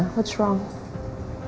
apa yang salah